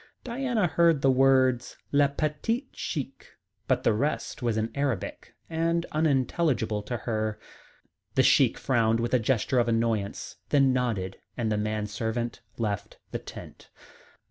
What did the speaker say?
Diana heard the words "le petit Sheik," but the rest was in Arabic and unintelligible to her. The Sheik frowned with a gesture of annoyance, then nodded, and the servant left the tent.